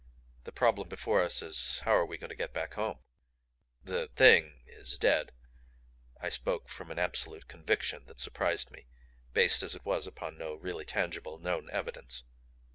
"The problem before us is how are we going to get back home?" "The THING is dead." I spoke from an absolute conviction that surprised me, based as it was upon no really tangible, known evidence.